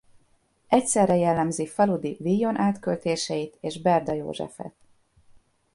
Egyszerre jellemzi Faludy Villon-átköltéseit és Berda Józsefet.